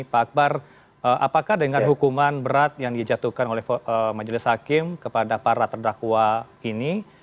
pak akbar apakah dengan hukuman berat yang dijatuhkan oleh majelis hakim kepada para terdakwa ini